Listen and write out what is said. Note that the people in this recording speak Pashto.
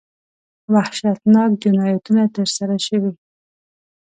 وحشتناک جنایتونه ترسره شوي.